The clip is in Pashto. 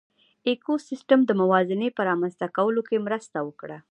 ایکوسېسټم د موازنې په رامنځ ته کولو کې مرسته وکړه.